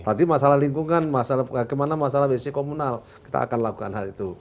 tadi masalah lingkungan masalah bagaimana masalah wc komunal kita akan lakukan hal itu